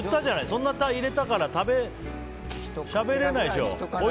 そんなに入れたからしゃべれないでしょ。